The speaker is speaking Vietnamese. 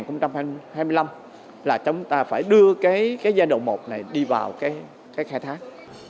năm hai nghìn hai mươi năm là chúng ta phải đưa cái giai đoạn một này đi vào cái khai thác